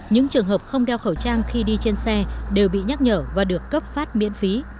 những trường hợp không đeo khẩu trang khi đi trên xe đều bị nhắc nhở và được cấp phát miễn phí